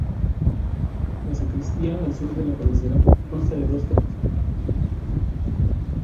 La sacristía, al sur de la cabecera, consta de dos tramos cubiertos con crucería.